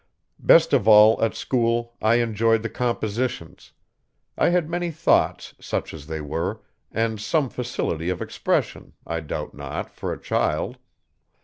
Best of all at school I enjoyed the 'compositions' I had many thoughts, such as they were, and some facility of expression, I doubt not, for a child.